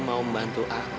kamu mau bantu aku